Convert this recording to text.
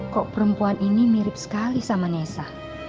kok perempuan ini mirip sekali sama nesa